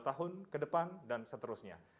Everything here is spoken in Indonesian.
lima tahun ke depan dan seterusnya